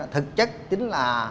thực chất chính là